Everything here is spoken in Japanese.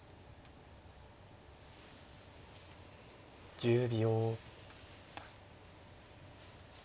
１０秒。